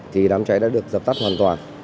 thì đám cháy đã được dập tắt hoàn toàn